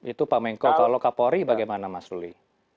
itu pak menko kalau kapolri bagaimana mas luli